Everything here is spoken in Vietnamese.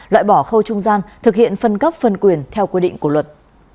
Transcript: loại bỏ khâu trung gian thực hiện phân cấp phân quyền theo quy định của luật